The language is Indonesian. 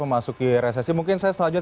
memasuki resesi mungkin saya selanjutnya